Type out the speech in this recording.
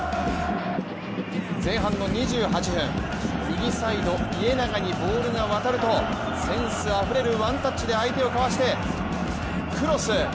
前半の２８分、右サイド家長にボールが渡るとセンスあふれるワンタッチで相手をかわしてクロス。